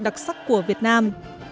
đặc sắc của việt nam